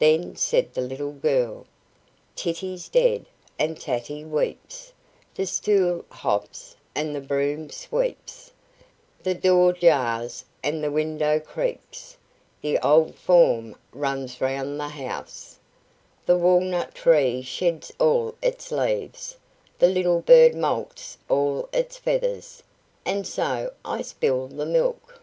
Then said the little girl: "Titty's dead, and Tatty weeps, the stool hops, and the broom sweeps, the door jars, and the window creaks, the old form runs round the house, the walnut tree sheds all its leaves, the little bird moults all its feathers, and so I spill the milk."